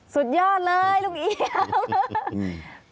สุดยอดเลยลุงเอียว